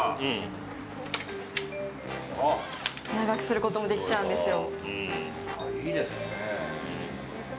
長くすることもできちゃうんですよ。